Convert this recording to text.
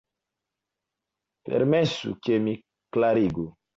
Permesu, ke mi klarigu.